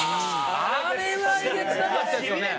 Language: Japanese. あれはえげつなかったですよね。